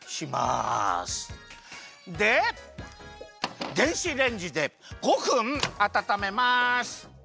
で電子レンジで５分あたためます。